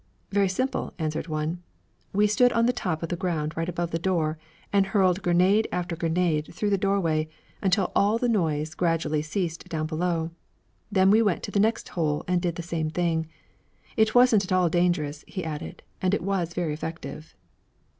'Very simple,' answered one. 'We stood on the top of the ground right above the door and hurled grenade after grenade through the doorway until all noise gradually ceased down below. Then we went to the next hole and did the same thing. It wasn't at all dangerous,' he added, 'and it was very effective.'